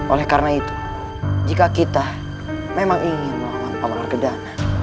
oleh karena itu jika kita memang ingin melawan pamer kedah